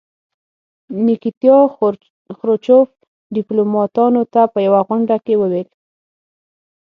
نیکیتیا خروچوف ډیپلوماتانو ته په یوه غونډه کې وویل.